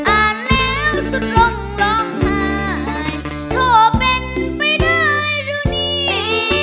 อ่านแล้วสุดร่มร้องหายโทรเป็นไปได้รู้นี่